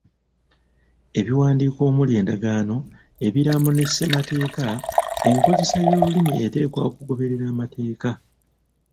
Ebiwandiiko omuli endagaano, ebiraamo ne ssemateeka enkozesa y'olulimi eteekwa okugoberera amateeka.